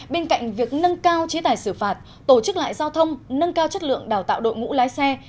bên cạnh việc nâng cao chế tài xử phạt tổ chức lại giao thông nâng cao chất lượng đào tạo đội ngũ lái xe